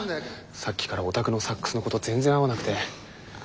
さっきからお宅のサックスの子と全然合わなくて。